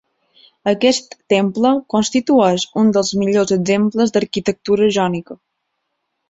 Aquest temple constitueix uns dels millors exemples d'arquitectura jònica.